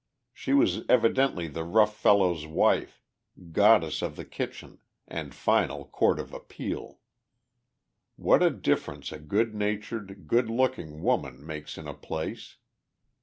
She was evidently the rough fellow's wife, goddess of the kitchen, and final court of appeal. What a difference a good natured, good looking woman makes in a place!